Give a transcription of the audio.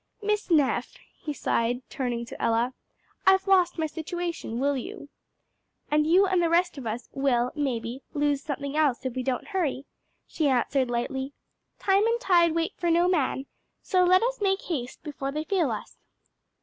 "Miss Neff," he sighed, turning to Ella, "I've lost my situation: will you?" "And you and the rest of us will, maybe, lose something else if we don't hurry," she answered lightly. "'Time and tide wait for no man,' so let us make haste before they fail us."